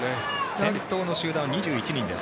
先頭の集団は２１人です。